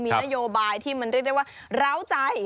มีนโยบายที่มันเรียกได้ว่าร้าวใจ